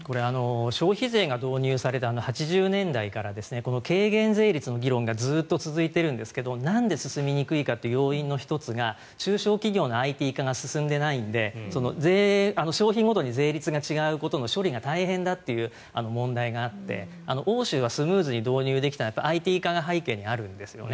消費税が導入された８０年代からこの軽減税率の議論がずっと続いているんですがなんで進みにくいかという要因の１つが中小企業のＩＴ化が進んでいないので商品ごとに税率が違うことの処理が大変だという問題があって欧州はスムーズに導入できたのはＩＴ化が背景にあるんですよね。